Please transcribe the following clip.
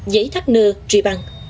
giấy thác nơ tri băng